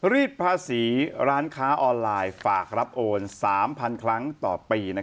รีดภาษีร้านค้าออนไลน์ฝากรับโอน๓๐๐๐ครั้งต่อปี